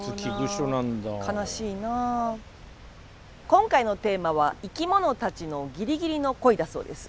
今回のテーマは「生きものたちのギリギリの恋」だそうです。